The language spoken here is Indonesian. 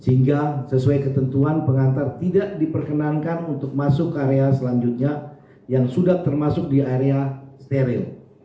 sehingga sesuai ketentuan pengantar tidak diperkenankan untuk masuk ke area selanjutnya yang sudah termasuk di area steril